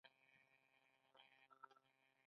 خپلې میوې پخپله خورو.